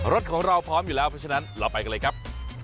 รถของเราพร้อมอยู่แล้วเพราะฉะนั้นเราไปกันเลยครับ